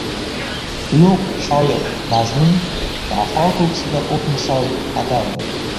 Ulug‘ shoir nazmi Daho ko‘ksida o‘q misol qadaldi.